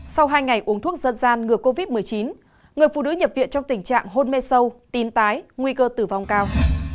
sau hai ngày uống thuốc dân gian ngừa covid một mươi chín người phụ nữ nhập viện trong tình trạng hôn mê sâu tím tái nguy cơ tử vong cao